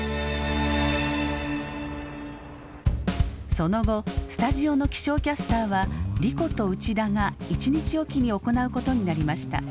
その後スタジオの気象キャスターは莉子と内田が１日置きに行うことになりました。